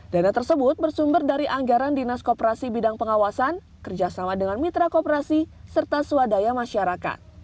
dana tersebut bersumber dari anggaran dinas koperasi bidang pengawasan kerjasama dengan mitra kooperasi serta swadaya masyarakat